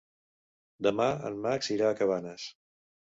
Demà en Max irà a Cabanes.